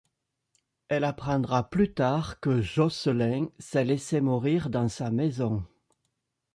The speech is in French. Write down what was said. Elle apprendra plus tard que Jocelyn s'est laissé mourir dans sa maison...